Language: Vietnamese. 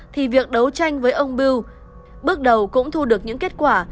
thì việc đấu tranh với ông bill bước đầu cũng thu được những kết quả